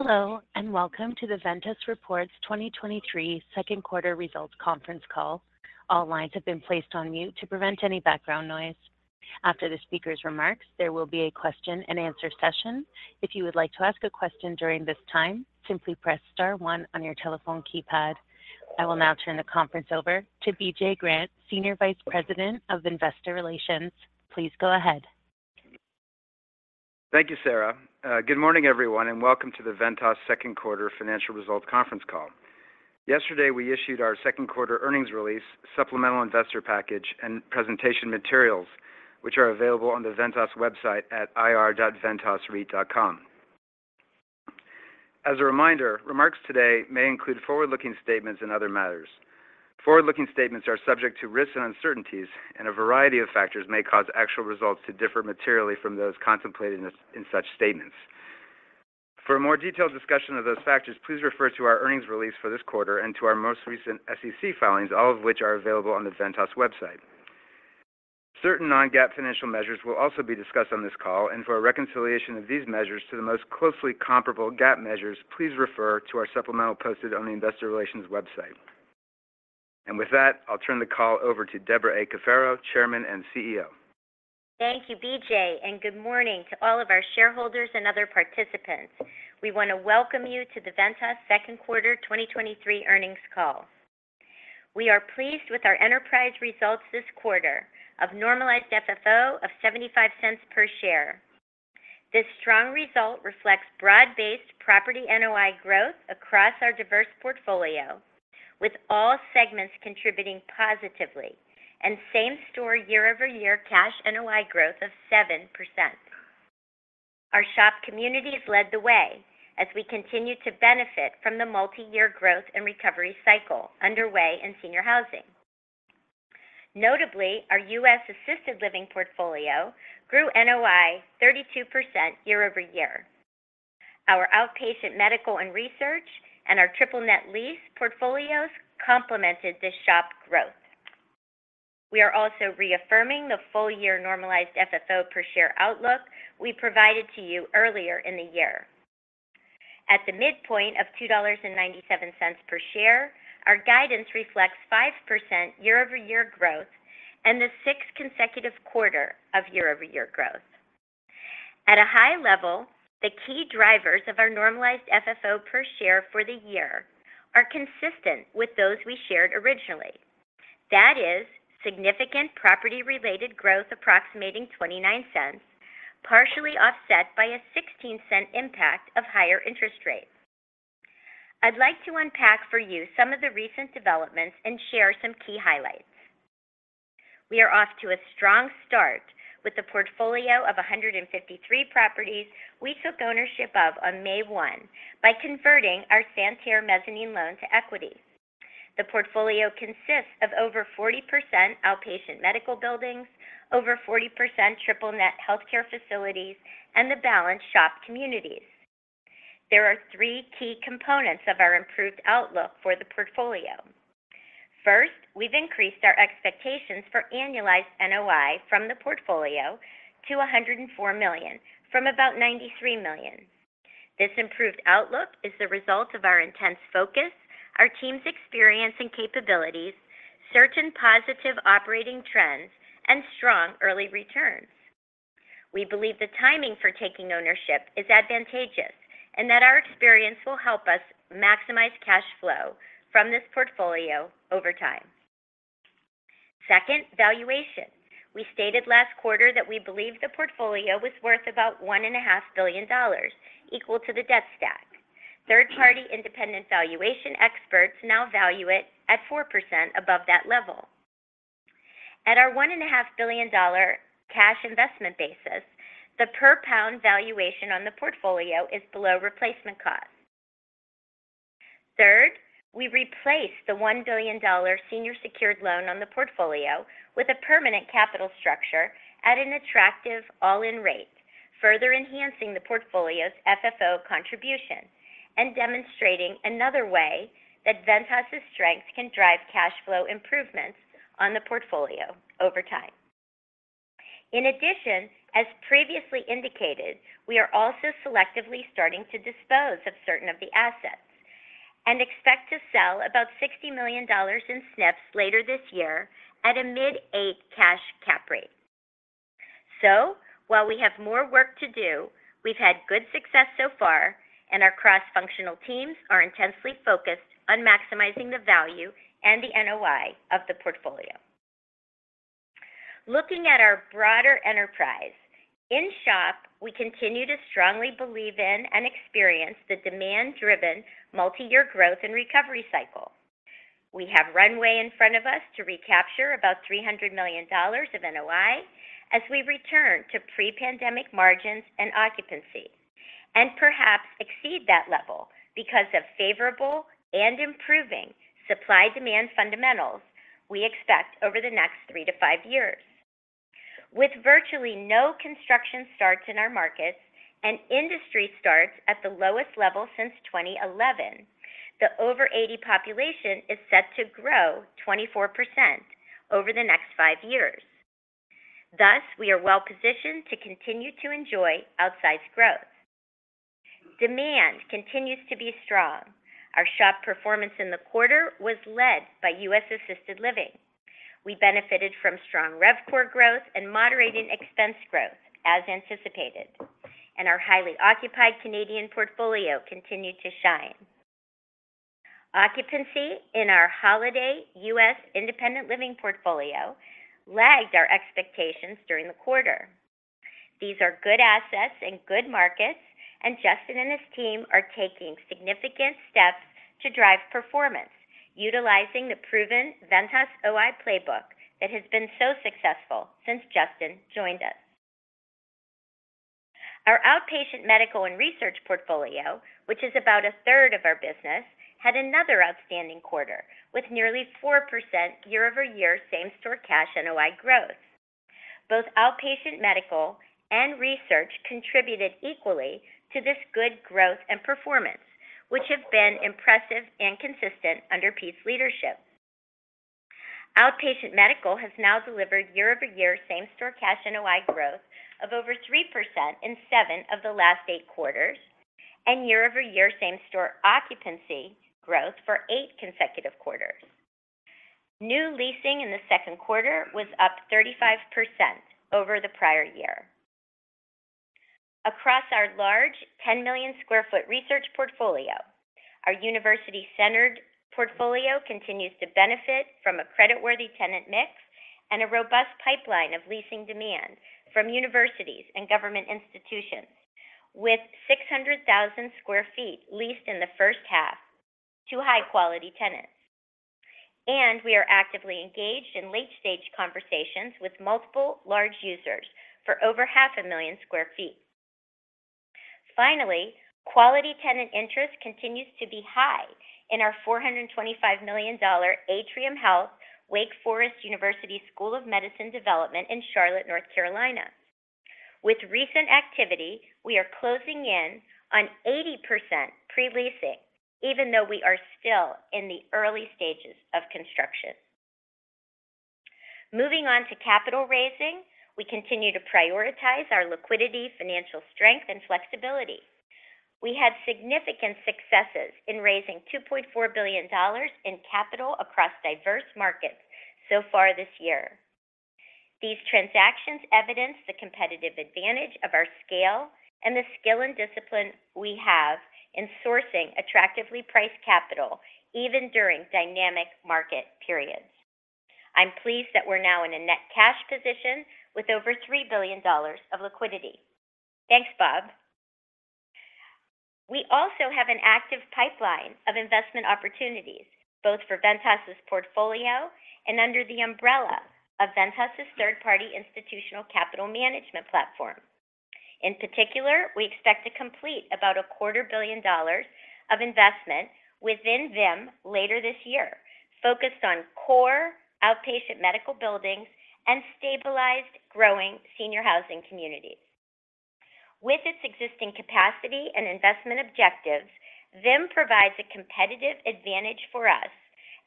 Hello, and welcome to the Ventas's 2023 second quarter results conference call. All lines have been placed on mute to prevent any background noise. After the speaker's remarks, there will be a question and answer session. If you would like to ask a question during this time, simply press star 1 on your telephone keypad. I will now turn the conference over to BJ Grant, Senior Vice President of Investor Relations. Please go ahead. Thank you, Sarah. Good morning, everyone, and welcome to the Ventas second quarter financial results conference call. Yesterday, we issued our second quarter earnings release, supplemental investor package, and presentation materials, which are available on the Ventas website at ir.ventasreit.com. As a reminder, remarks today may include forward-looking statements and other matters. Forward-looking statements are subject to risks and uncertainties, and a variety of factors may cause actual results to differ materially from those contemplated in such statements. For a more detailed discussion of those factors, please refer to our earnings release for this quarter and to our most recent SEC filings, all of which are available on the Ventas website. Certain non-GAAP financial measures will also be discussed on this call, and for a reconciliation of these measures to the most closely comparable GAAP measures, please refer to our supplemental posted on the investor relations website. With that, I'll turn the call over to Debra A. Cafaro, Chairman and CEO. Thank you, BJ, and good morning to all of our shareholders and other participants. We want to welcome you to the Ventas second quarter 2023 earnings call. We are pleased with our enterprise results this quarter of Normalized FFO of $0.75 per share. This strong result reflects broad-based property NOI growth across our diverse portfolio, with all segments contributing positively and same-store year-over-year cash NOI growth of 7%. Our SHOP communities led the way as we continue to benefit from the multi-year growth and recovery cycle underway in senior housing. Notably, our US assisted living portfolio grew NOI 32% year-over-year. Our outpatient medical and research and our triple net lease portfolios complemented this SHOP growth. We are also reaffirming the full-year Normalized FFO per share outlook we provided to you earlier in the year. At the midpoint of $2.97 per share, our guidance reflects 5% year-over-year growth and the 6th consecutive quarter of year-over-year growth. At a high level, the key drivers of our Normalized FFO per share for the year are consistent with those we shared originally. That is, significant property-related growth approximating $0.29, partially offset by a $0.16 impact of higher interest rates. I'd like to unpack for you some of the recent developments and share some key highlights. We are off to a strong start with the portfolio of 153 properties we took ownership of on May 1 by converting our Santerre mezzanine loan to equity. The portfolio consists of over 40% outpatient medical buildings, over 40% triple net healthcare facilities, and the balance SHOP communities. There are three key components of our improved outlook for the portfolio. We've increased our expectations for annualized NOI from the portfolio to $104 million from about $93 million. This improved outlook is the result of our intense focus, our team's experience and capabilities, certain positive operating trends, and strong early returns. We believe the timing for taking ownership is advantageous and that our experience will help us maximize cash flow from this portfolio over time. Valuation. We stated last quarter that we believe the portfolio was worth about $1.5 billion, equal to the debt stack. Third-party independent valuation experts now value it at 4% above that level. At our $1.5 billion cash investment basis, the per pound valuation on the portfolio is below replacement cost. Third, we replaced the $1 billion senior secured loan on the portfolio with a permanent capital structure at an attractive all-in rate, further enhancing the portfolio's FFO contribution and demonstrating another way that Ventas's strength can drive cash flow improvements on the portfolio over time. In addition, as previously indicated, we are also selectively starting to dispose of certain of the assets and expect to sell about $60 million in SNFs later this year at a mid-8 cash cap rate. While we have more work to do, we've had good success so far, and our cross-functional teams are intensely focused on maximizing the value and the NOI of the portfolio. Looking at our broader enterprise, in SHOP, we continue to strongly believe in and experience the demand-driven multi-year growth and recovery cycle. We have runway in front of us to recapture about $300 million of NOI as we return to pre-pandemic margins and occupancy, and perhaps exceed that level because of favorable and improving supply-demand fundamentals we expect over the next 3-5 years. With virtually no construction starts in our markets and industry starts at the lowest level since 2011, the over 80 population is set to grow 24% over the next five years. Thus, we are well-positioned to continue to enjoy outsized growth. Demand continues to be strong. Our SHOP performance in the quarter was led by U.S. assisted living. We benefited from strong RevPOR growth and moderating expense growth, as anticipated, and our highly occupied Canadian portfolio continued to shine. Occupancy in our Holiday U.S. independent living portfolio lagged our expectations during the quarter. These are good assets in good markets, and Justin and his team are taking significant steps to drive performance, utilizing the proven Ventas OI playbook that has been so successful since Justin joined us. Our outpatient medical and research portfolio, which is about a third of our business, had another outstanding quarter, with nearly 4% year-over-year same-store cash NOI growth. Both outpatient medical and research contributed equally to this good growth and performance, which have been impressive and consistent under Pete's leadership. Outpatient Medical has now delivered year-over-year same-store cash NOI growth of over 3% in 7 of the last 8 quarters, and year-over-year same-store occupancy growth for 8 consecutive quarters. New leasing in the second quarter was up 35% over the prior year. Across our large 10 million sq ft research portfolio, our university-centered portfolio continues to benefit from a creditworthy tenant mix and a robust pipeline of leasing demand from universities and government institutions, with 600,000 sq ft leased in the first half to high-quality tenants. We are actively engaged in late-stage conversations with multiple large users for over $500,000 sq ft. Finally, quality tenant interest continues to be high in our $425 million Atrium Health Wake Forest University School of Medicine Development in Charlotte, North Carolina. With recent activity, we are closing in on 80% pre-leasing, even though we are still in the early stages of construction. Moving on to capital raising, we continue to prioritize our liquidity, financial strength, and flexibility. We had significant successes in raising $2.4 billion in capital across diverse markets so far this year. These transactions evidence the competitive advantage of our scale and the skill and discipline we have in sourcing attractively priced capital even during dynamic market periods. I'm pleased that we're now in a net cash position with over $3 billion of liquidity. Thanks, Bob. We also have an active pipeline of investment opportunities, both for Ventas's portfolio and under the umbrella of Ventas's third-party institutional capital management platform. In particular, we expect to complete about $250 million of investment within VIM later this year, focused on core outpatient medical buildings and stabilized, growing senior housing communities. With its existing capacity and investment objectives, VIM provides a competitive advantage for us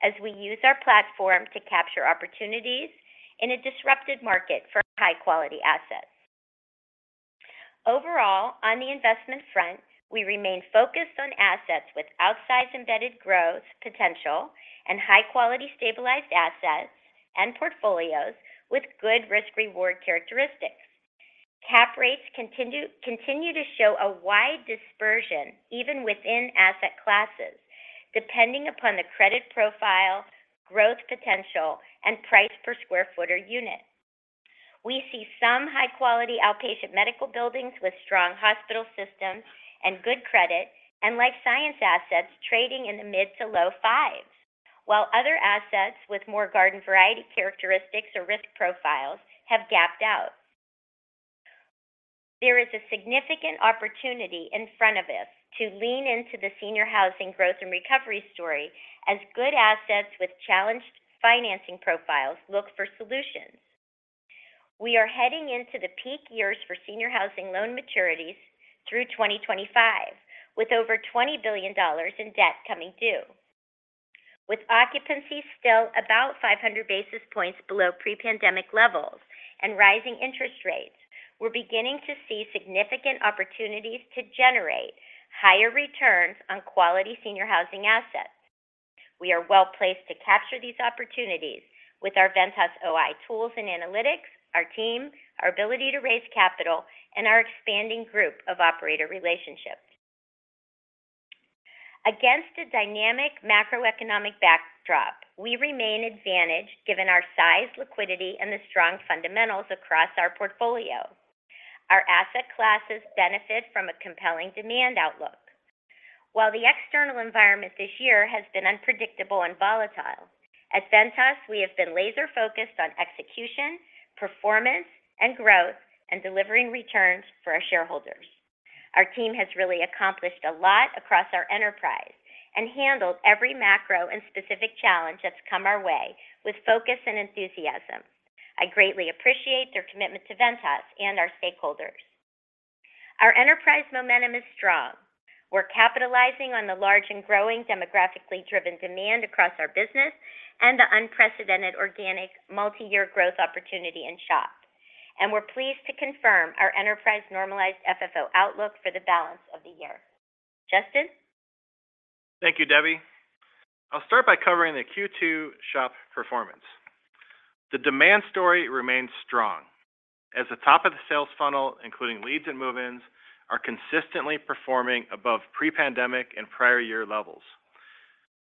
as we use our platform to capture opportunities in a disrupted market for high-quality assets. Overall, on the investment front, we remain focused on assets with outsized embedded growth, potential, and high-quality stabilized assets and portfolios with good risk-reward characteristics. Cap rates continue to show a wide dispersion even within asset classes, depending upon the credit profile, growth potential, and price per sq ft or unit. We see some high-quality outpatient medical buildings with strong hospital systems and good credit, and life science assets trading in the mid to low 5s, while other assets with more garden variety characteristics or risk profiles have gapped out. There is a significant opportunity in front of us to lean into the senior housing growth and recovery story as good assets with challenged financing profiles look for solutions. We are heading into the peak years for senior housing loan maturities through 2025, with over $20 billion in debt coming due. With occupancy still about 500 basis points below pre-pandemic levels and rising interest rates, we're beginning to see significant opportunities to generate higher returns on quality senior housing assets. We are well-placed to capture these opportunities with our Ventas OI tools and analytics, our team, our ability to raise capital, and our expanding group of operator relationships. Against a dynamic macroeconomic backdrop, we remain advantaged given our size, liquidity, and the strong fundamentals across our portfolio. Our asset classes benefit from a compelling demand outlook. While the external environment this year has been unpredictable and volatile, at Ventas, we have been laser-focused on execution, performance, and growth, and delivering returns for our shareholders. Our team has really accomplished a lot across our enterprise and handled every macro and specific challenge that's come our way with focus and enthusiasm. I greatly appreciate their commitment to Ventas and our stakeholders. Our enterprise momentum is strong. We're capitalizing on the large and growing demographically driven demand across our business and the unprecedented organic multi-year growth opportunity in SHOP. We're pleased to confirm our enterprise normalized FFO outlook for the balance of the year. Justin? Thank you, Debbie. I'll start by covering the Q2 SHOP performance. The demand story remains strong, as the top of the sales funnel, including leads and move-ins, are consistently performing above pre-pandemic and prior year levels.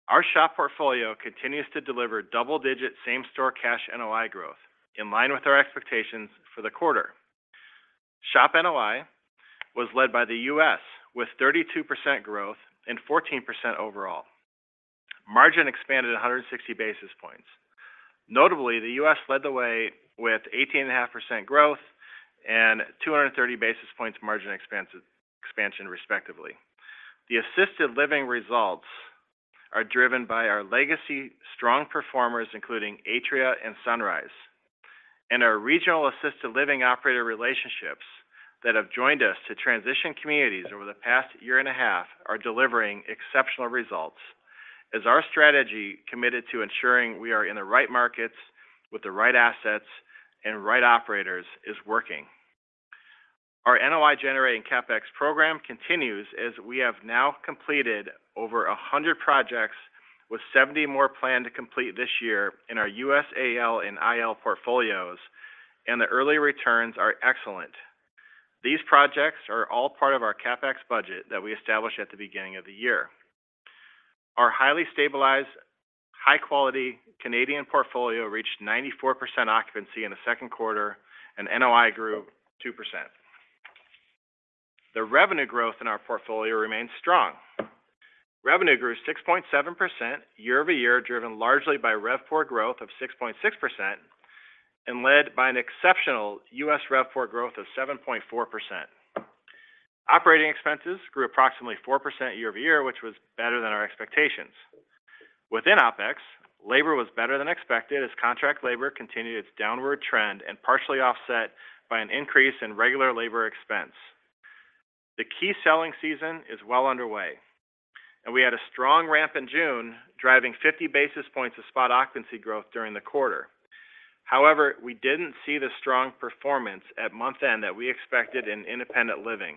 Our SHOP portfolio continues to deliver double-digit same-store cash NOI growth, in line with our expectations for the quarter. SHOP NOI was led by the US, with 32% growth and 14% overall. Margin expanded 160 basis points. Notably, the US led the way with 18.5% growth and 230 basis points margin expansion, respectively. The assisted living results are driven by our legacy strong performers, including Atria and Sunrise. Our regional assisted living operator relationships that have joined us to transition communities over the past year and a half are delivering exceptional results, as our strategy committed to ensuring we are in the right markets with the right assets and right operators is working. Our NOI generating CapEx program continues as we have now completed over 100 projects, with 70 more planned to complete this year in our USAL and IL portfolios. The early returns are excellent. These projects are all part of our CapEx budget that we established at the beginning of the year. Our highly stabilized, high-quality Canadian portfolio reached 94% occupancy in the second quarter. NOI grew 2%. The revenue growth in our portfolio remains strong. Revenue grew 6.7% year-over-year, driven largely by RevPOR growth of 6.6% and led by an exceptional US RevPOR growth of 7.4%. Operating expenses grew approximately 4% year-over-year, which was better than our expectations. Within OpEx, labor was better than expected, as contract labor continued its downward trend and partially offset by an increase in regular labor expense. The key selling season is well underway, and we had a strong ramp in June, driving 50 basis points of spot occupancy growth during the quarter. However, we didn't see the strong performance at month-end that we expected in independent living.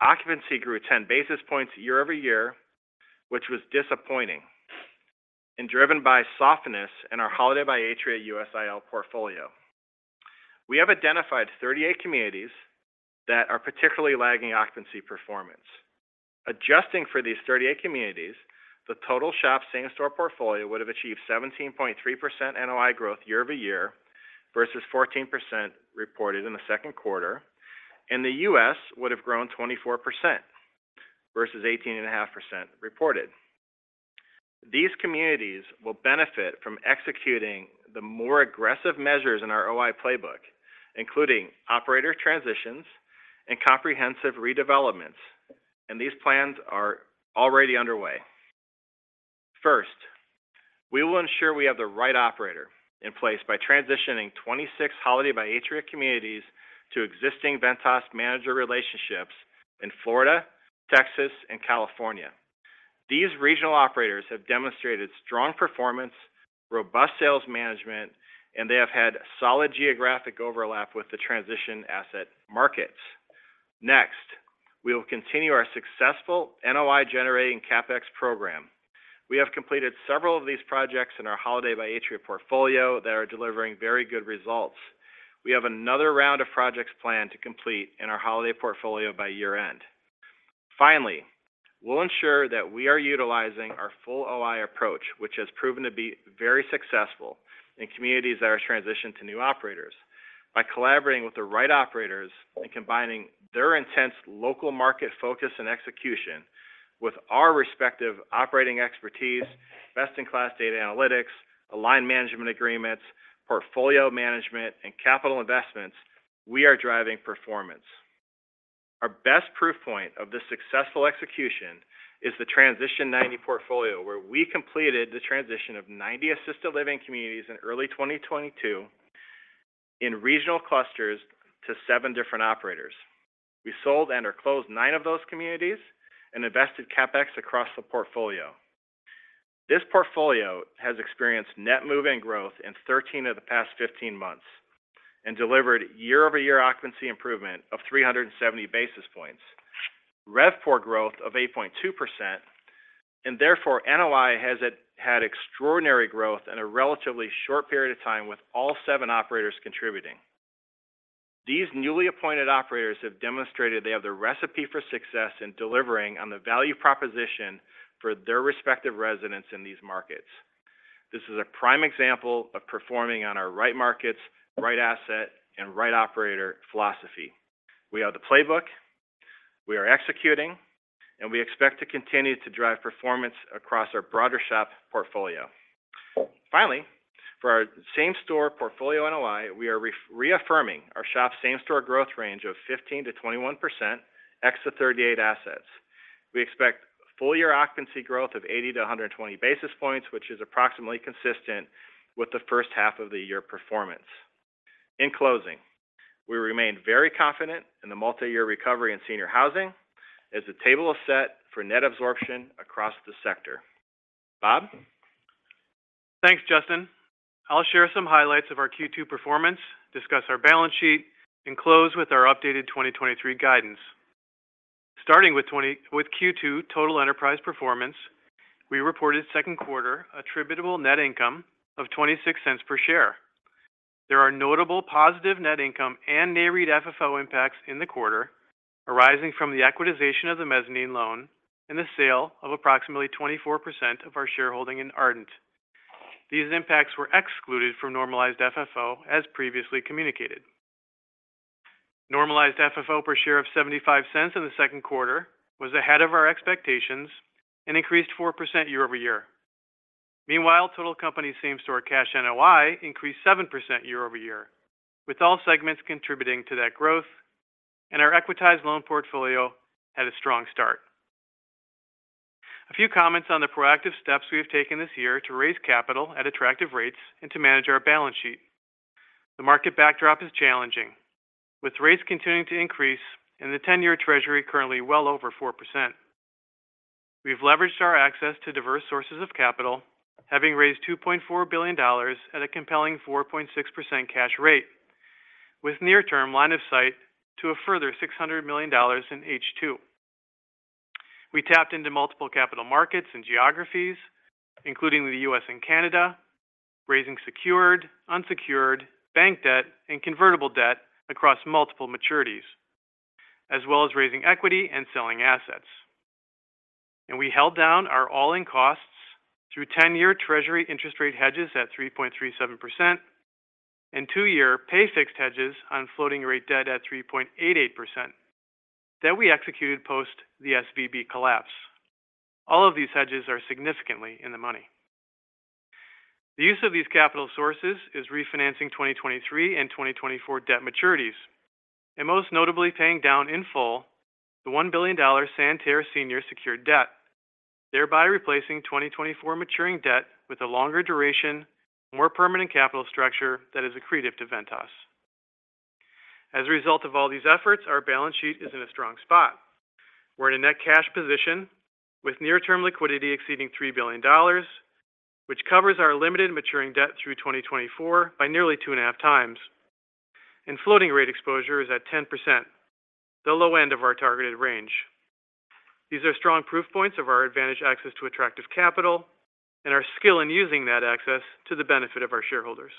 Occupancy grew 10 basis points year-over-year, which was disappointing, and driven by softness in our Holiday by Atria USIL portfolio. We have identified 38 communities that are particularly lagging occupancy performance. Adjusting for these 38 communities, the total SHOP same-store portfolio would have achieved 17.3% NOI growth year-over-year, versus 14% reported in the second quarter, and the US would have grown 24%, versus 18.5% reported. These communities will benefit from executing the more aggressive measures in our OI playbook, including operator transitions and comprehensive redevelopments, and these plans are already underway. First, we will ensure we have the right operator in place by transitioning 26 Holiday by Atria communities to existing Ventas manager relationships in Florida, Texas, and California. These regional operators have demonstrated strong performance, robust sales management, and they have had solid geographic overlap with the transition asset markets. Next, we will continue our successful NOI generating CapEx program. We have completed several of these projects in our Holiday by Atria portfolio that are delivering very good results. We have another round of projects planned to complete in our Holiday portfolio by year-end. Finally, we'll ensure that we are utilizing our full OI approach, which has proven to be very successful in communities that are transitioned to new operators. By collaborating with the right operators and combining their intense local market focus and execution with our respective operating expertise, best-in-class data analytics, aligned management agreements, portfolio management, and capital investments, we are driving performance. Our best proof point of this successful execution is the Transition 90 portfolio, where we completed the transition of 90 assisted living communities in early 2022 in regional clusters to seven different operators. We sold and/or closed nine of those communities and invested CapEx across the portfolio. This portfolio has experienced net move-in growth in 13 of the past 15 months and delivered year-over-year occupancy improvement of 370 basis points, RevPOR growth of 8.2%. Therefore, NOI had extraordinary growth in a relatively short period of time, with all 7 operators contributing. These newly appointed operators have demonstrated they have the recipe for success in delivering on the value proposition for their respective residents in these markets. This is a prime example of performing on our right markets, right asset, and right operator philosophy. We have the playbook, we are executing, and we expect to continue to drive performance across our broader SHOP portfolio. For our same-store portfolio NOI, we are re-reaffirming our SHOP same-store growth range of 15%-21% ex the 38 assets. We expect full year occupancy growth of 80 to 120 basis points, which is approximately consistent with the first half of the year performance. In closing, we remain very confident in the multi-year recovery in senior housing as the table is set for net absorption across the sector. Bob? Thanks, Justin. I'll share some highlights of our Q2 performance, discuss our balance sheet, and close with our updated 2023 guidance. Starting with Q2 total enterprise performance, we reported second quarter attributable net income of $0.26 per share. There are notable positive net income and Nareit FFO impacts in the quarter, arising from the equitization of the mezzanine loan and the sale of approximately 24% of our shareholding in Ardent. These impacts were excluded from Normalized FFO, as previously communicated. Normalized FFO per share of $0.75 in the second quarter was ahead of our expectations and increased 4% year-over-year. Meanwhile, total company same store cash NOI increased 7% year-over-year, with all segments contributing to that growth, and our equitized loan portfolio had a strong start. A few comments on the proactive steps we have taken this year to raise capital at attractive rates and to manage our balance sheet. The market backdrop is challenging, with rates continuing to increase and the 10-year Treasury currently well over 4%. We've leveraged our access to diverse sources of capital, having raised $2.4 billion at a compelling 4.6% cash rate, with near-term line of sight to a further $600 million in H2. We tapped into multiple capital markets and geographies, including the U.S. and Canada, raising secured, unsecured bank debt and convertible debt across multiple maturities, as well as raising equity and selling assets. We held down our all-in costs through 10-year Treasury interest rate hedges at 3.37% and 2-year pay fixed hedges on floating rate debt at 3.8%. We executed post the SVB collapse. All of these hedges are significantly in the money. The use of these capital sources is refinancing 2023 and 2024 debt maturities, and most notably, paying down in full the $1 billion Santerre senior secured debt, thereby replacing 2024 maturing debt with a longer duration, more permanent capital structure that is accretive to Ventas. As a result of all these efforts, our balance sheet is in a strong spot. We're in a net cash position with near-term liquidity exceeding $3 billion, which covers our limited maturing debt through 2024 by nearly 2.5 times. Floating rate exposure is at 10%, the low end of our targeted range. These are strong proof points of our advantage access to attractive capital and our skill in using that access to the benefit of our shareholders.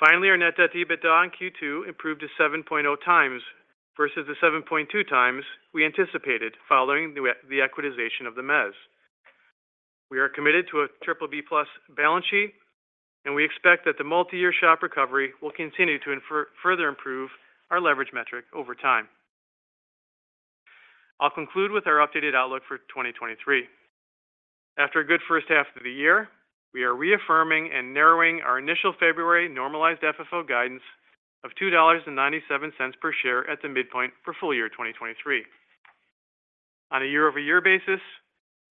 Finally, our net debt to EBITDA in Q2 improved to 7.0 times versus the 7.2 times we anticipated following the equitization of the mezz. We are committed to a BBB+ balance sheet, and we expect that the multi-year SHOP recovery will continue to further improve our leverage metric over time. I'll conclude with our updated outlook for 2023. After a good first half of the year, we are reaffirming and narrowing our initial February Normalized FFO guidance of $2.97 per share at the midpoint for full year 2023. On a year-over-year basis,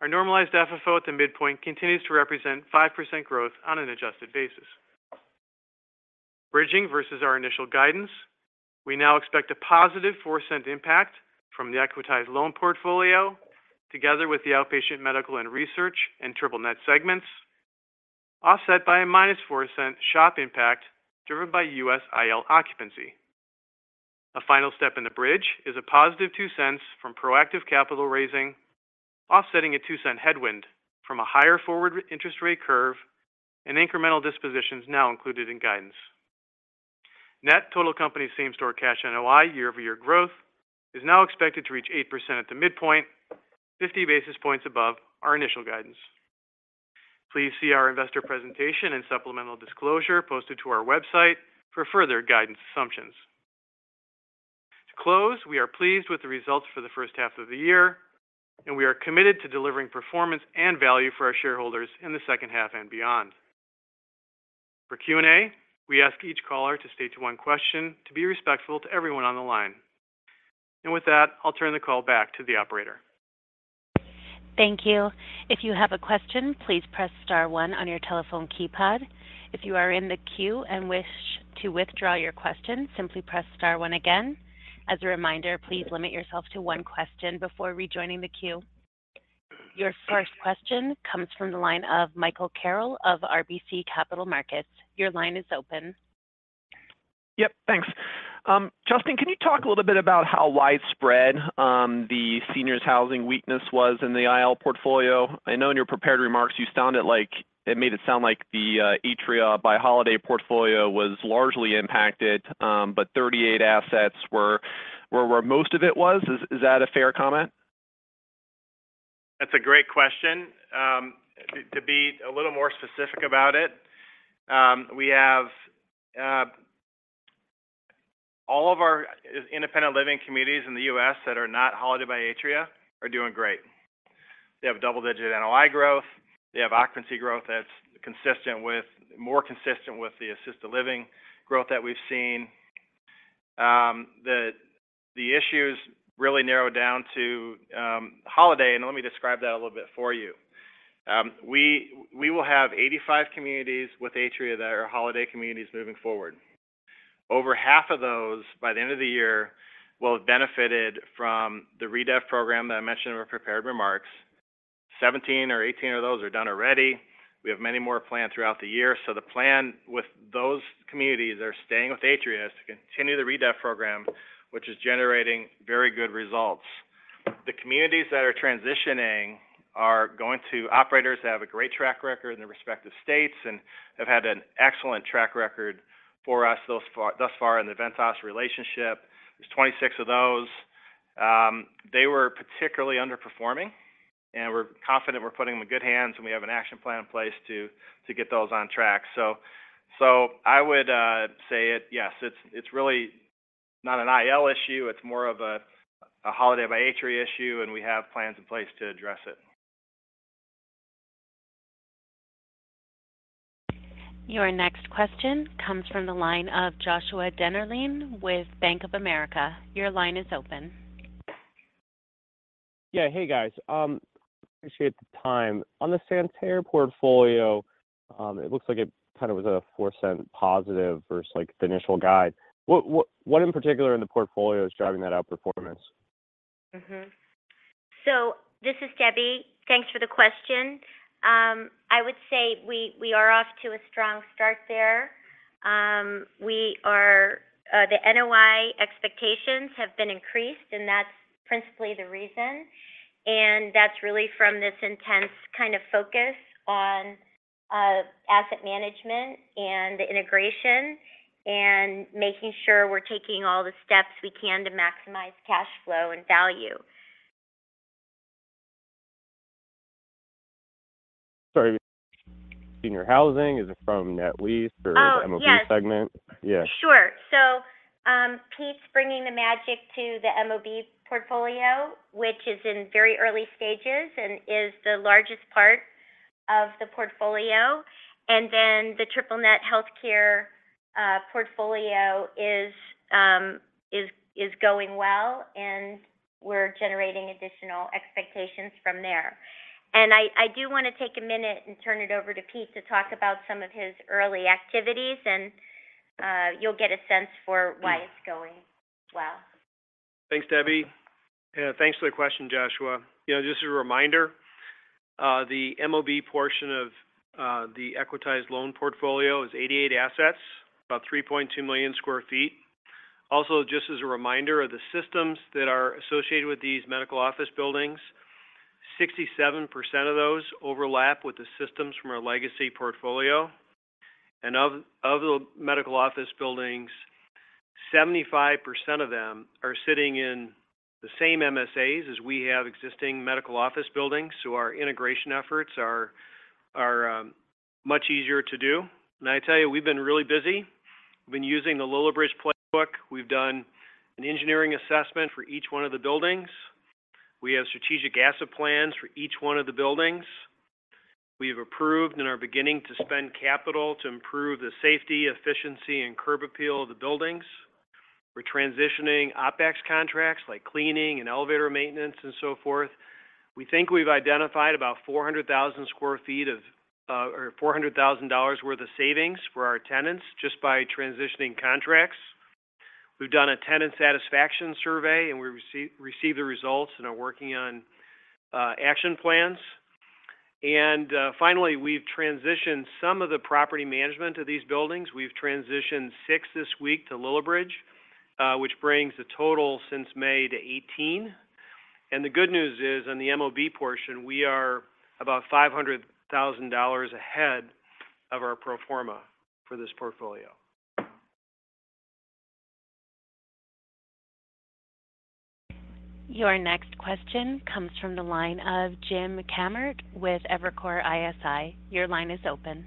our Normalized FFO at the midpoint continues to represent 5% growth on an adjusted basis. Bridging versus our initial guidance, we now expect a positive $0.04 impact from the equitized loan portfolio, together with the outpatient medical and research and triple net segments, offset by a -$0.04 SHOP impact driven by USIL occupancy. A final step in the bridge is a positive $0.02 from proactive capital raising, offsetting a $0.02 headwind from a higher forward interest rate curve and incremental dispositions now included in guidance. Net total company same-store cash NOI year-over-year growth is now expected to reach 8% at the midpoint, 50 basis points above our initial guidance. Please see our investor presentation and supplemental disclosure posted to our website for further guidance assumptions. To close, we are pleased with the results for the first half of the year, and we are committed to delivering performance and value for our shareholders in the second half and beyond. For Q&A, we ask each caller to stay to one question, to be respectful to everyone on the line. With that, I'll turn the call back to the operator. Thank you. If you have a question, please press star one on your telephone keypad. If you are in the queue and wish to withdraw your question, simply press star one again. As a reminder, please limit yourself to one question before rejoining the queue. Your first question comes from the line of Michael Carroll of RBC Capital Markets. Your line is open. Yep, thanks. Justin, can you talk a little bit about how widespread the seniors housing weakness was in the IL portfolio? I know in your prepared remarks, you sounded like-- it made it sound like the Atria by Holiday portfolio was largely impacted, but 38 assets were, were where most of it was. Is, is that a fair comment? That's a great question. To, to be a little specific about it, we have all of our, independent living communities in the US that are not Holiday by Atria are doing great. They have double-digit NOI growth. They have occupancy growth that's consistent with, more consistent with the assisted living growth that we've seen. The, the issues really narrowed down to Holiday, let me describe that a little bit for you. We, we will have 85 communities with Atria that are Holiday communities moving forward. Over half of those, by the end of the year, will have benefited from the redev program that I mentioned in my prepared remarks. 17 or 18 of those are done already. We have many more planned throughout the year. The plan with those communities, they're staying with Atria to continue the redev program, which is generating very good results. The communities that are transitioning are going to operators that have a great track record in their respective states and have had an excellent track record for us thus far, thus far in the Ventas relationship. There's 26 of those. They were particularly underperforming, and we're confident we're putting them in good hands, and we have an action plan in place to get those on track. I would say yes, it's really not an IL issue, it's more of a Holiday by Atria issue, and we have plans in place to address it. Your next question comes from the line of Joshua Dennerlein with Bank of America. Your line is open. Yeah. Hey, guys. Appreciate the time. On the Santerre portfolio, it looks like it kind of was a $0.04 positive versus, like, the initial guide. What, what, what in particular in the portfolio is driving that outperformance? This is Debbie. Thanks for the question. I would say we, we are off to a strong start there. We are, the NOI expectations have been increased, that's principally the reason. That's really from this intense kind of focus on asset management and integration and making sure we're taking all the steps we can to maximize cash flow and value. Sorry, senior housing, is it from net lease or- Oh, yes. The MOB segment? Yeah. Sure. Pete's bringing the magic to the MOB portfolio, which is in very early stages and is the largest part of the portfolio. The triple net healthcare portfolio is going well, and we're generating additional expectations from there. I do want to take a minute and turn it over to Pete to talk about some of his early activities, and you'll get a sense for why it's going well. Thanks, Debbie. Thanks for the question, Joshua. You know, just a reminder, the MOB portion of the equitized loan portfolio is 88 assets, about 3.2 million sq ft. Also, just as a reminder, of the systems that are associated with these medical office buildings, 67% of those overlap with the systems from our legacy portfolio, and of the medical office buildings, 75% of them are sitting in the same MSAs as we have existing medical office buildings, so our integration efforts are much easier to do. I tell you, we've been really busy. We've been using the Lillibridge playbook. We've done an engineering assessment for each one of the buildings. We have strategic asset plans for each one of the buildings. We have approved and are beginning to spend capital to improve the safety, efficiency, and curb appeal of the buildings. We're transitioning OpEx contracts, like cleaning and elevator maintenance and so forth. We think we've identified about 400,000 sq ft of or $400,000 worth of savings for our tenants just by transitioning contracts. We've done a tenant satisfaction survey, we received the results and are working on action plans. Finally, we've transitioned some of the property management of these buildings. We've transitioned 6 this week to Lillibridge, which brings the total since May to 18. The good news is, on the MOB portion, we are about $500,000 ahead of our pro forma for this portfolio. Your next question comes from the line of Jim Kammert with Evercore ISI. Your line is open.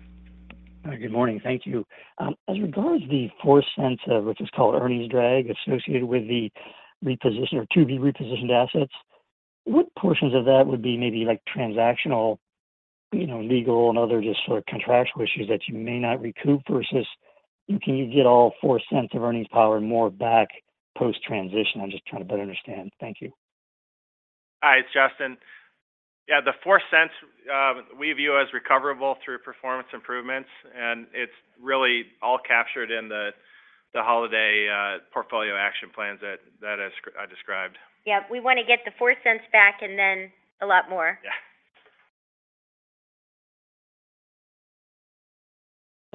Good morning. Thank you. As regards the $0.04, which is called earnings drag, associated with the reposition or to-be-repositioned assets, what portions of that would be maybe, like, transactional, you know, legal and other just sort of contractual issues that you may not recoup versus can you get all $0.04 of earnings power more back post-transition? I'm just trying to better understand. Thank you. Hi, it's Justin. Yeah, the $0.04 we view as recoverable through performance improvements, and it's really all captured in the Holiday portfolio action plans that I described. Yeah. We want to get the $0.04 back and then a lot more. Yeah.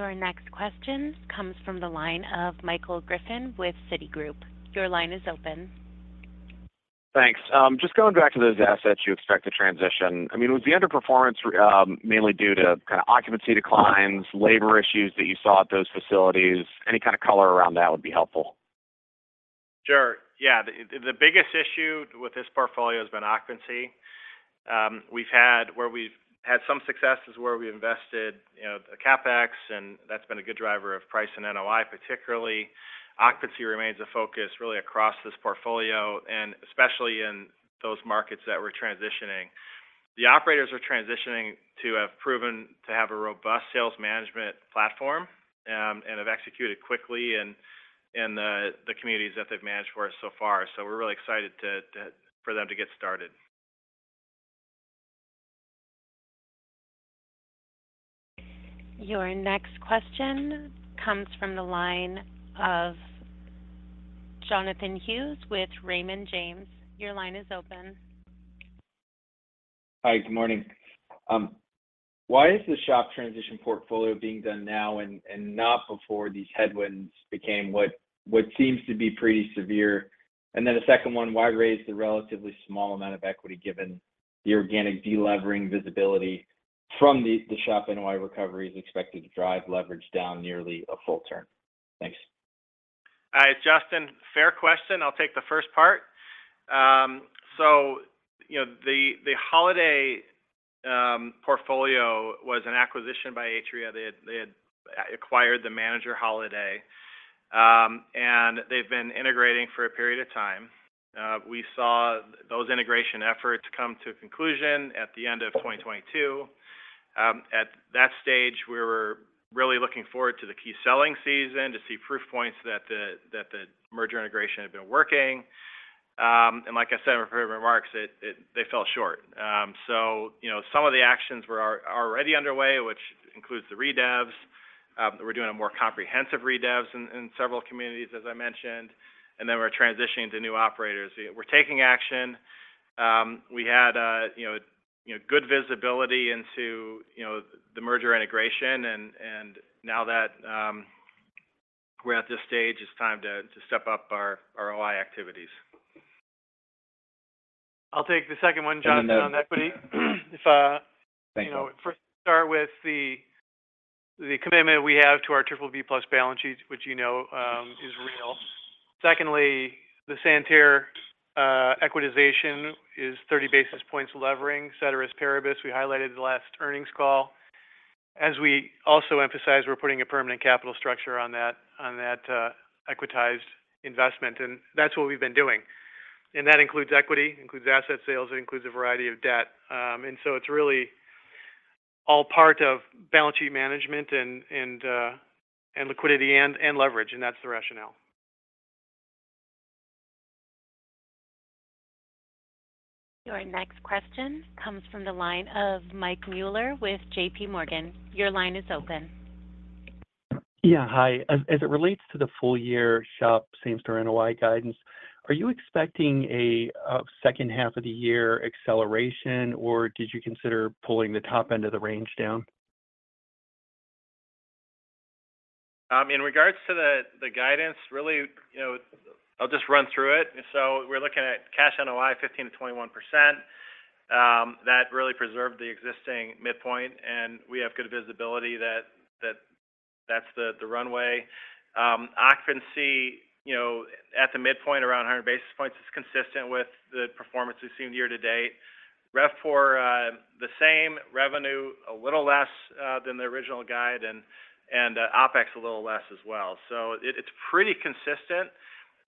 Our next question comes from the line of Michael Griffin with Citigroup. Your line is open. Thanks. Just going back to those assets you expect to transition, I mean, was the underperformance, mainly due to kind of occupancy declines, labor issues that you saw at those facilities? Any kind of color around that would be helpful. Sure. Yeah. The biggest issue with this portfolio has been occupancy. Where we've had some success is where we invested, you know, the CapEx, and that's been a good driver of price and NOI particularly. Occupancy remains a focus really across this portfolio, and especially in those markets that we're transitioning. The operators are transitioning to have proven to have a robust sales management platform, and have executed quickly in the communities that they've managed for us so far. We're really excited to for them to get started. Your next question comes from the line of Jonathan Hughes with Raymond James. Your line is open. Hi, good morning. Why is the SHOP transition portfolio being done now and not before these headwinds became what, what seems to be pretty severe? Then a second one, why raise the relatively small amount of equity, given the organic delevering visibility from the SHOP NOI recovery is expected to drive leverage down nearly a full term? Thanks. Hi, Justin. Fair question. I'll take the first part. You know, the, the Holiday portfolio was an acquisition by Atria. They had acquired the manager Holiday, and they've been integrating for a period of time. We saw those integration efforts come to a conclusion at the end of 2022. At that stage, we were really looking forward to the key selling season to see proof points that the, that the merger integration had been working. Like I said in my previous remarks, it, they fell short. You know, some of the actions were already underway, which includes the redevs. We're doing a more comprehensive redevs in, in several communities, as I mentioned, and then we're transitioning to new operators. We're taking action. We had, you know, good visibility into, you know, the merger integration, and now that we're at this stage, it's time to, to step up our OI activities. I'll take the second one, Jonathan, on equity. Thanks. If I, you know, first start with the, the commitment we have to our BBB+ balance sheets, which, you know, is real. Secondly, the Santerre equitization is 30 basis points of levering, ceteris paribus. We highlighted the last earnings call. As we also emphasized, we're putting a permanent capital structure on that, on that equitized investment, and that's what we've been doing. That includes equity, includes asset sales, it includes a variety of debt. It's really all part of balance sheet management and, and liquidity and, and leverage, and that's the rationale. Your next question comes from the line of Mike Mueller with JP Morgan. Your line is open. Yeah, hi. As it relates to the full year SHOP same-store NOI guidance, are you expecting a second half of the year acceleration, or did you consider pulling the top end of the range down? In regards to the guidance, really, you know, I'll just run through it. We're looking at cash NOI 15%-21%. That really preserved the existing midpoint, and we have good visibility that that's the runway. Occupancy, you know, at the midpoint, around 100 basis points, is consistent with the performance we've seen year to date. RevPOR, the same revenue, a little less than the original guide, and OpEx a little less as well. It's pretty consistent,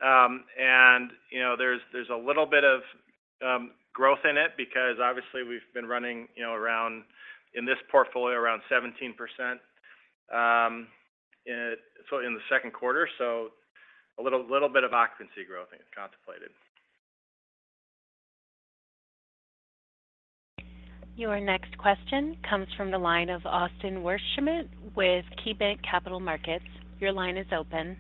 and, you know, there's a little bit of growth in it because obviously we've been running, you know, around, in this portfolio, around 17%, so in the second quarter, so a little, little bit of occupancy growth is contemplated. Your next question comes from the line of Austin Wurschmidt with KeyBanc Capital Markets. Your line is open.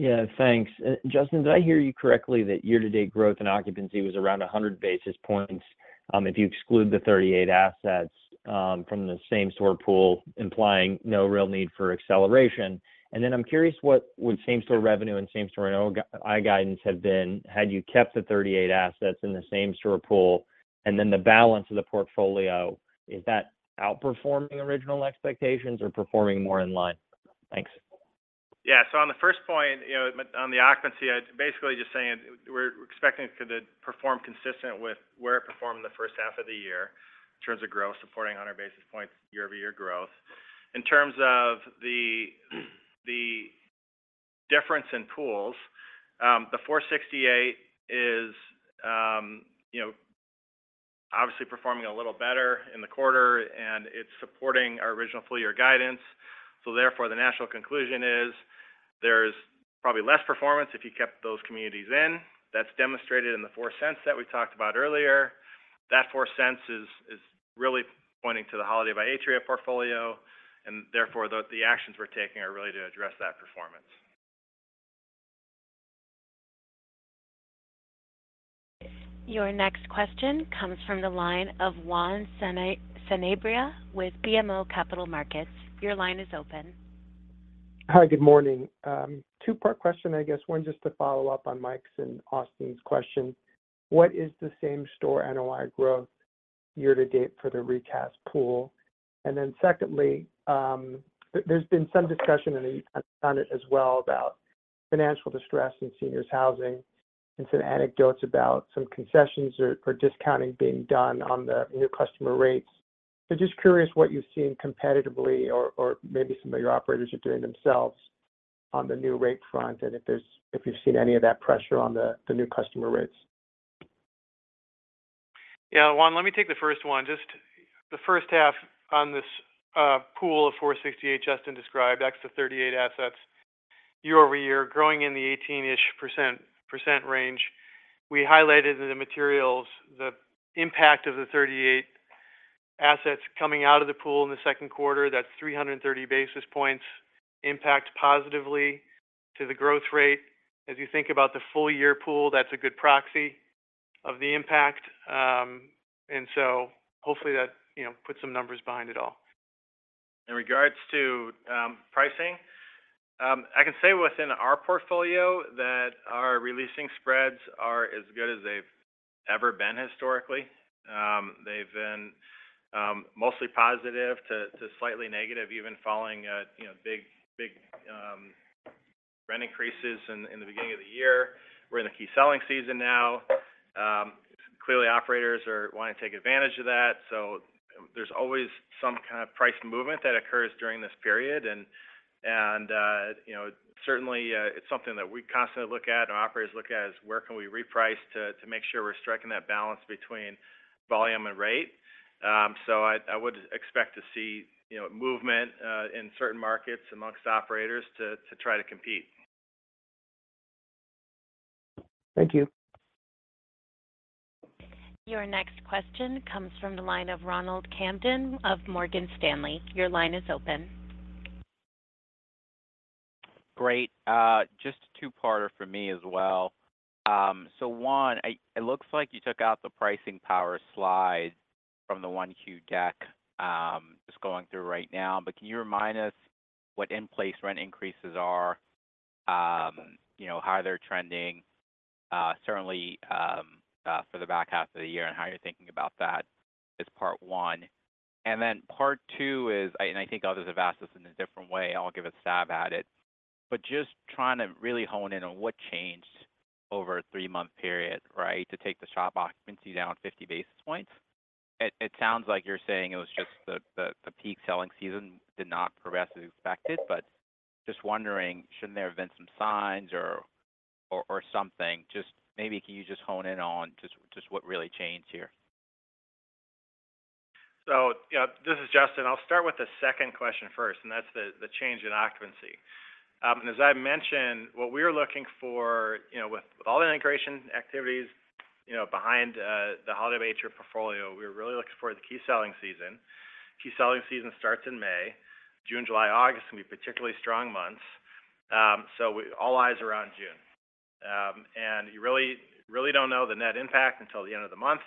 Yeah, thanks. Justin, did I hear you correctly, that year-to-date growth in occupancy was around 100 basis points, if you exclude the 38 assets from the same-store pool, implying no real need for acceleration? Then I'm curious, what would same-store revenue and same-store NOI guidance have been had you kept the 38 assets in the same-store pool, then the balance of the portfolio, is that outperforming original expectations or performing more in line? Thanks. Yeah. On the first point, you know, on the occupancy, I basically just saying we're expecting it to perform consistent with where it performed in the first half of the year in terms of growth, supporting on our basis points year-over-year growth. In terms of the, the difference in pools, the 468 is, you know, obviously performing a little better in the quarter, and it's supporting our original full year guidance. Therefore, the natural conclusion is there's probably less performance if you kept those communities in. That's demonstrated in the $0.04 that we talked about earlier. That $0.04 is, is really pointing to the Holiday by Atria portfolio, and therefore, the, the actions we're taking are really to address that performance. Your next question comes from the line of Juan Sanabria with BMO Capital Markets. Your line is open. Hi, good morning. Two-part question, I guess. One, just to follow up on Mike's and Austin's question. What is the same store NOI growth year to date for the recast pool? Secondly, there's been some discussion, and you've done it as well, about financial distress in seniors housing and some anecdotes about some concessions or, or discounting being done on the new customer rates. Just curious what you've seen competitively or, or maybe some of your operators are doing themselves on the new rate front, and if you've seen any of that pressure on the new customer rates? Yeah, Juan, let me take the first one. Just the first half on this pool of 468 Justin described, extra 38 assets, year-over-year, growing in the 18%-ish range. We highlighted in the materials the impact of the 38 assets coming out of the pool in the second quarter. That's 330 basis points impact positively to the growth rate. As you think about the full year pool, that's a good proxy of the impact. And so hopefully that, you know, puts some numbers behind it all. In regards to pricing, I can say within our portfolio that our re-leasing spreads are as good as they've ever been historically. They've been mostly positive to, to slightly negative, even following a, you know, big, big rent increases in, in the beginning of the year. We're in the key selling season now. Clearly, operators are wanting to take advantage of that, so there's always some kind of price movement that occurs during this period. You know, certainly, it's something that we constantly look at and operators look at as, where can we reprice to, to make sure we're striking that balance between volume and rate? I, I would expect to see, you know, movement in certain markets amongst operators to, to try to compete. Thank you. Your next question comes from the line of Ronald Kamdem of Morgan Stanley. Your line is open. Great. Just a two-parter for me as well. One, it looks like you took out the pricing power slide from the 1 Q deck, just going through right now. Can you remind us what in-place rent increases are, you know, how they're trending, certainly, for the back half of the year, and how you're thinking about that? Is part one. Then part two is, I, and I think others have asked this in a different way, I'll give a stab at it. Just trying to really hone in on what changed over a three-month period, right, to take the SHOP occupancy down 50 basis points. It, it sounds like you're saying it was just the, the, the peak selling season did not progress as expected, but just wondering, shouldn't there have been some signs or, or, or something? Just maybe, can you just hone in on just, just what really changed here? Yeah, this is Justin. I'll start with the second question first, and that's the, the change in occupancy. As I mentioned, what we're looking for, you know, with, with all the integration activities, you know, behind the Holiday Atria portfolio, we're really looking for the key selling season. Key selling season starts in May. June, July, August can be particularly strong months. All eyes are on June. You really, really don't know the net impact until the end of the month.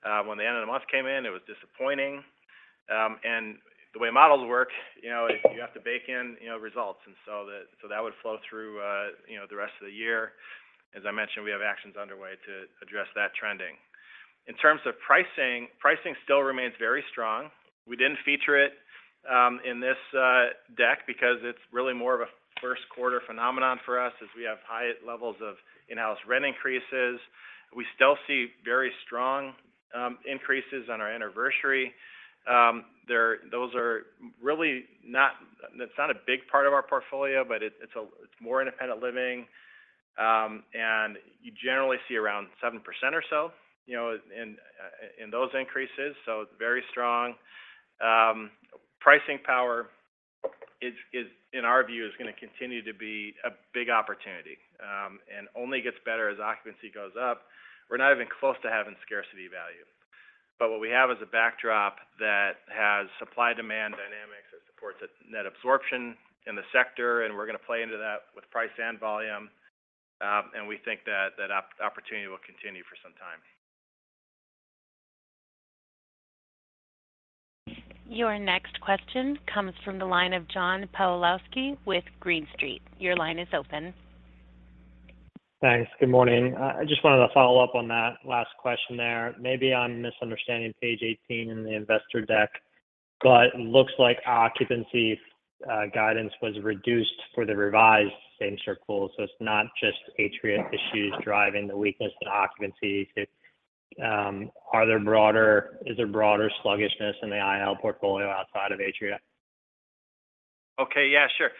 When the end of the month came in, it was disappointing. The way models work, you know, is you have to bake in, you know, results. That would flow through, you know, the rest of the year. As I mentioned, we have actions underway to address that trending. In terms of pricing, pricing still remains very strong. We didn't feature it in this deck because it's really more of a first quarter phenomenon for us, as we have high levels of in-house rent increases. We still see very strong increases on our anniversary. Those are really not- it's not a big part of our portfolio, but it's a, it's more independent living. You generally see around 7% or so, you know, in those increases, so very strong. Pricing power is, in our view, is gonna continue to be a big opportunity, and only gets better as occupancy goes up. We're not even close to having scarcity value, but what we have is a backdrop that has supply-demand dynamics that supports a net absorption in the sector, and we're gonna play into that with price and volume. We think that that opportunity will continue for some time. Your next question comes from the line of John Pawlowski with Green Street. Your line is open. Thanks. Good morning. I just wanted to follow up on that last question there. Maybe I'm misunderstanding page 18 in the investor deck, but it looks like occupancy guidance was reduced for the revised same-store pool. It's not just Atria issues driving the weakness in occupancy. Is there broader sluggishness in the IL portfolio outside of Atria? Okay. Yeah, sure.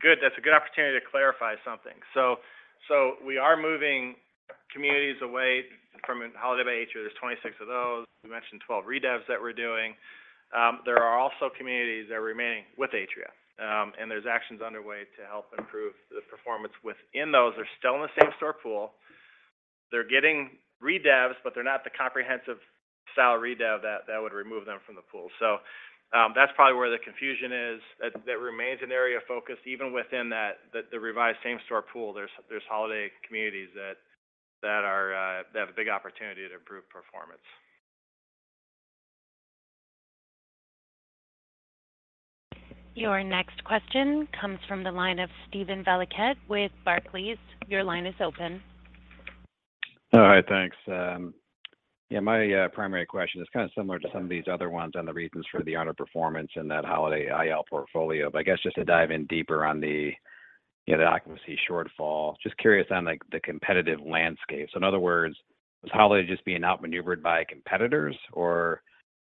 Good, that's a good opportunity to clarify something. So we are moving communities away from Holiday by Atria. There's 26 of those. We mentioned 12 redevs that we're doing. There are also communities that are remaining with Atria, and there's actions underway to help improve the performance within those. They're still in the same store pool. They're getting redevs, but they're not the comprehensive style redev that, that would remove them from the pool. That's probably where the confusion is. That, that remains an area of focus. Even within that, the, the revised same-store pool, there's, there's Holiday communities that, that are, that have a big opportunity to improve performance. Your next question comes from the line of Steven Valiquette with Barclays. Your line is open. All right, thanks. Yeah, my, primary question is kind of similar to some of these other ones on the reasons for the underperformance in that Holiday IL portfolio. I guess just to dive in deeper on the, you know, the occupancy shortfall. Just curious on, like, the competitive landscape. In other words- Was Holiday just being outmaneuvered by competitors?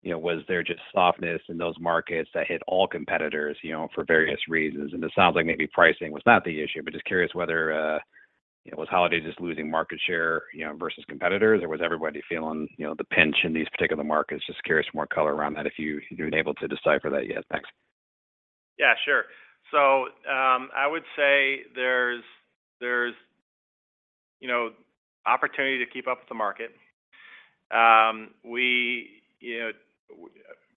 You know, was there just softness in those markets that hit all competitors, you know, for various reasons? It sounds like maybe pricing was not the issue, but just curious whether, you know, was Holiday just losing market share, you know, versus competitors, or was everybody feeling, you know, the pinch in these particular markets? Just curious for more color around that, if you, you're able to decipher that yet. Thanks. Yeah, sure. So, I would say there's, there's, you know, opportunity to keep up with the market. We, you know,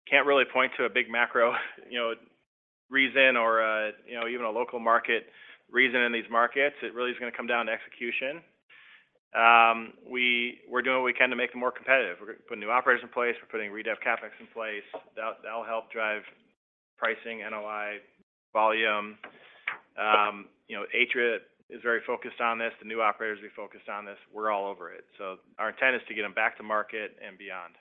can't really point to a big macro, you know, reason or a, you know, even a local market reason in these markets. It really is gonna come down to execution. We're doing what we can to make them more competitive. We're gonna put new operators in place, we're putting redev CapEx in place. That, that will help drive pricing, NOI, volume. You know, Atria is very focused on this. The new operators will be focused on this. We're all over it. Our intent is to get them back to market and beyond.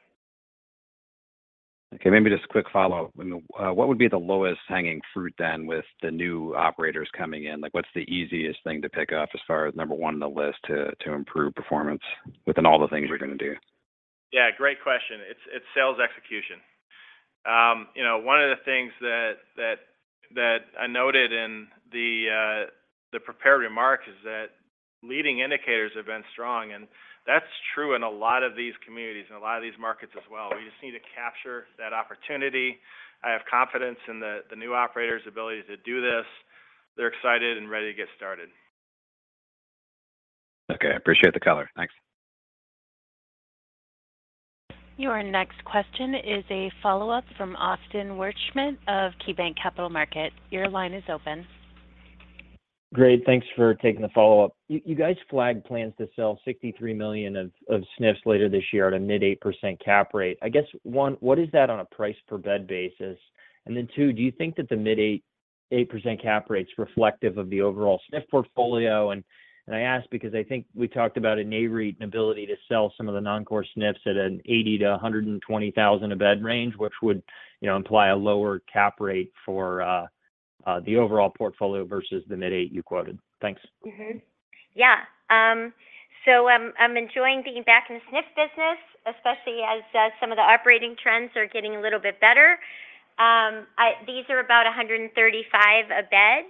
Okay, maybe just a quick follow-up. What would be the lowest hanging fruit then with the new operators coming in? Like, what's the easiest thing to pick up as far as number 1 on the list to, to improve performance within all the things you're gonna do? Yeah, great question. It's, it's sales execution. You know, one of the things that, that, that I noted in the prepared remarks is that leading indicators have been strong, and that's true in a lot of these communities and a lot of these markets as well. We just need to capture that opportunity. I have confidence in the, the new operators' ability to do this. They're excited and ready to get started. Okay. I appreciate the color. Thanks. Your next question is a follow-up from Austin Wurschmidt of KeyBanc Capital Markets. Your line is open. Great. Thanks for taking the follow-up. You guys flagged plans to sell $63 million of SNFs later this year at a mid 8% cap rate. I guess, 1, what is that on a price per bed basis? Then 2, do you think that the mid 8% cap rate is reflective of the overall SNF portfolio? I ask because I think we talked about an ability to sell some of the non-core SNFs at an $80,000-$120,000 a bed range, which would, you know, imply a lower cap rate for the overall portfolio versus the mid 8 you quoted. Thanks. Mm-hmm. Yeah, so, I'm enjoying being back in the SNF business, especially as some of the operating trends are getting a little bit better. These are about 135 a bed.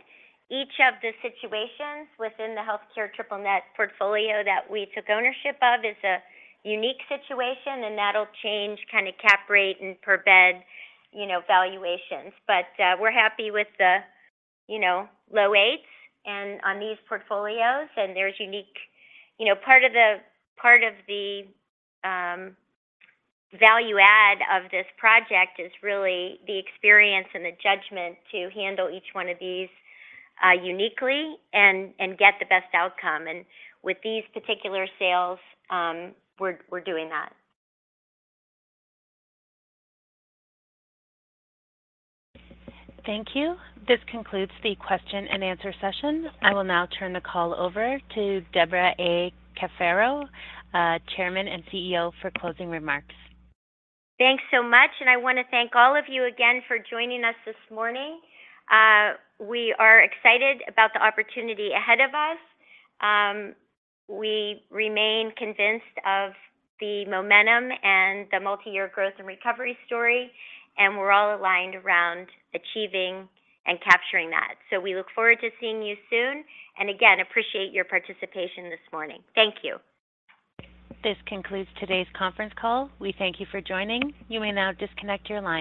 Each of the situations within the healthcare triple net portfolio that we took ownership of is a unique situation, and that'll change kinda cap rate and per bed, you know, valuations. We're happy with the, you know, low eights and on these portfolios, and there's you know, part of the, part of the value add of this project is really the experience and the judgment to handle each one of these uniquely and, and get the best outcome. With these particular sales, we're, we're doing that. Thank you. This concludes the question and answer session. I will now turn the call over to Debra A. Cafaro, Chairman and CEO, for closing remarks. Thanks so much, and I want to thank all of you again for joining us this morning. We are excited about the opportunity ahead of us. We remain convinced of the momentum and the multi-year growth and recovery story, and we're all aligned around achieving and capturing that. We look forward to seeing you soon, and again, appreciate your participation this morning. Thank you. This concludes today's conference call. We thank you for joining. You may now disconnect your lines.